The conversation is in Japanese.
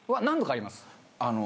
何度かあります。